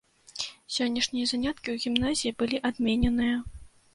Сённяшнія заняткі ў гімназіі былі адмененыя.